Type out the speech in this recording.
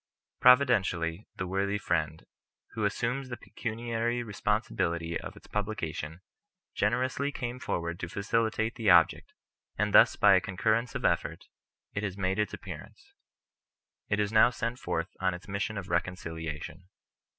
Providentially the worthy friend, who assumes the pecuniary responsibility of its publica tion, generously came forward to facilitate the object, and thus by a concurrence of effort, it has made its ap pearance. It is now sent forth on its mission of recon ciliation.